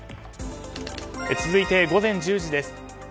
続いて午前１０時です。